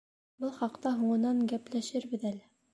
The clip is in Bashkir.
— Был хаҡта һуңынан гәпләшербеҙ әле.